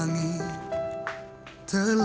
aku akan pergi